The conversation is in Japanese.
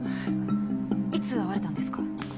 いつ会われたんですか？